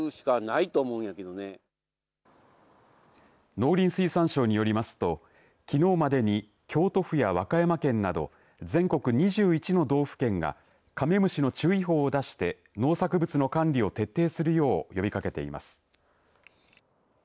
農林水産省によりますときのうまでに京都府や和歌山県など全国２１の道府県がカメムシの注意報を出して農作物の管理を徹底するよう呼びかけています。